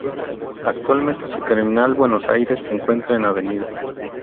Actualmente su terminal Buenos Aires se encuentra en Av.